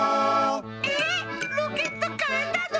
ええっロケットかえたの？